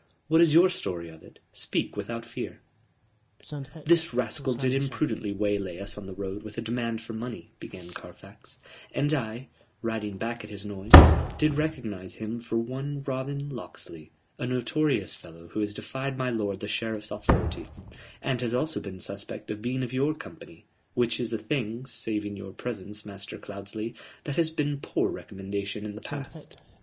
"What is your story of it? Speak without fear." "This rascal did imprudently waylay us on the road with a demand for money," began Carfax, "and I, riding back at his noise, did recognize him for one Robin Locksley, a notorious fellow who has defied my lord the Sheriff's authority; and has also been suspect of being of your company which is a thing, saving your presence, Master Cloudesley, that has been poor recommendation in the past.